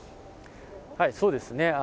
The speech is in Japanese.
そうですね。